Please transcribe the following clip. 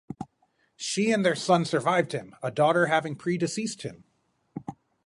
She and their son survived him, a daughter having predeceased him.